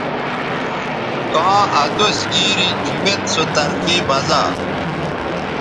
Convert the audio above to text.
کاں ادوس گیری جمیت سو طرفے بزا